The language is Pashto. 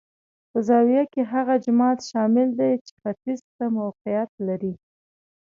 په زاویه کې هغه جومات شامل دی چې ختیځ ته موقعیت لري.